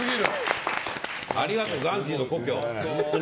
ありがとう、ガンジーの故郷。